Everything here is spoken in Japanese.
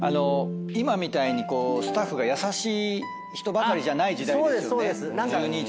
今みたいにスタッフが優しい人ばかりじゃない時代ですよね。